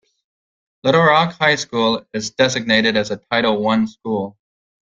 Littlerock High School is designated as a Title I school.